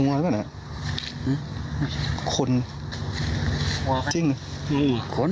นชาวโบกโบกสัตว์ง่าย